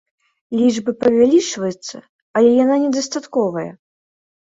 Лічба павялічваецца, але яна не дастатковая.